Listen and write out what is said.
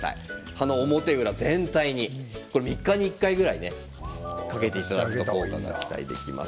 葉の表裏全体に３日に１回ぐらいかけていただくと効果が期待できます。